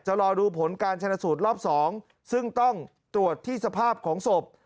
รอดูผลการชนะสูตรรอบ๒ซึ่งต้องตรวจที่สภาพของศพ